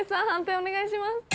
判定お願いします。